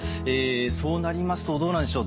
そうなりますとどうなんでしょう？